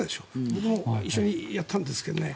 僕も一緒にやったんですけどね。